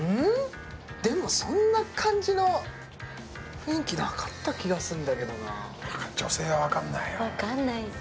でもそんな感じの雰囲気なかった気がすんだけどな女性はわかんないよ